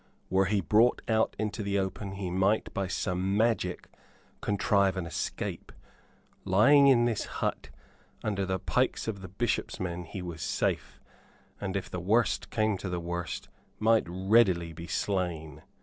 Were he brought out into the open, he might, by some magic, contrive an escape. Lying in this hut under the pikes of the Bishop's men he was safe, and if the worst came to the worst might readily be slain.